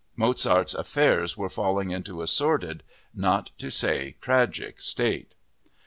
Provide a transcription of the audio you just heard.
Mozart's affairs were falling into a sordid, not to say a tragic, state.